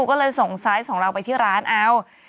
ก็เลยส่งไซส์ของเราไปที่ร้านเอา